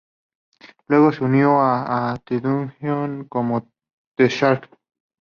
Luego se unió a The Dungeon como The Shark.